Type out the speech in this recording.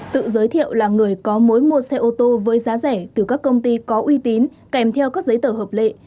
tự giới thiệu là người có mối mua xe ô tô với giá rẻ từ các công ty có uy tín kèm theo các giấy tờ hợp lệ